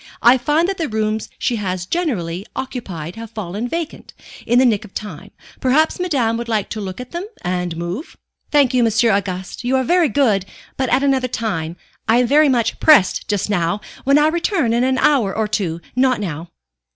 I find that the rooms she has generally occupied have fallen vacant, in the nick of time. Perhaps madame would like to look at them, and move?" "Thank you, M. Auguste, you are very good; but at another time. I am very much pressed just now. When I return in an hour or two, not now."